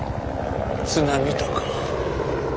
津波とか。